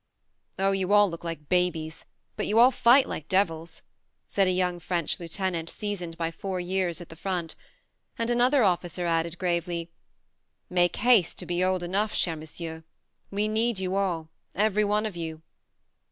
" Oh, you all look like babies but you all fight like devils," said a young French lieutenant seasoned by four years at the front ; and another officer added gravely :" Make haste to be old enough, cher monsieur. We need you all every one of you.